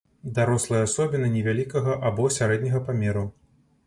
Дарослыя асобіны невялікага або сярэдняга памеру.